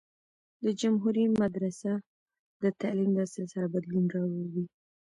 د جمهوری مدرسه د تعلیم د اصل سره بدلون راووي.